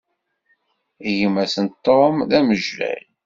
Gma-s n Tom, d amejjay.